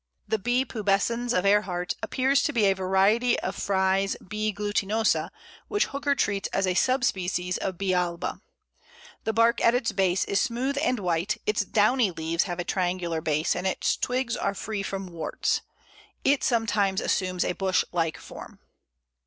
The B. pubescens of Ehrhart appears to be a variety of Fries' B. glutinosa, which Hooker treats as a sub species of B. alba. The bark at its base is smooth and white, its downy leaves have a triangular base, and its twigs are free from warts. It sometimes assumes a bush like form.